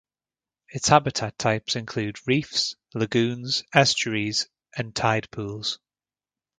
Its habitat types include reefs, lagoons, estuaries, and tidepools.